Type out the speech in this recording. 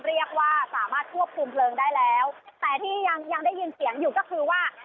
เรียกว่าสามารถควบคุมเพลิงได้แล้วแต่ที่ยังยังได้ยินเสียงอยู่ก็คือว่า